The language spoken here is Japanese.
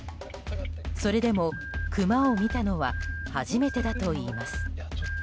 それでも、クマを見たのは初めてだといいます。